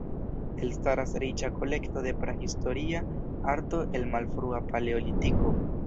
Elstaras riĉa kolekto de prahistoria arto el Malfrua Paleolitiko.